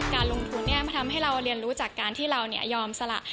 การลงทุนมันทำให้เราเรียนรู้จากการที่เรายอมสละ